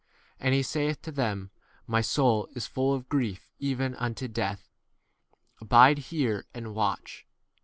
And he saith to them, My soul is full of grief even unto death ; abide here and 85 watch.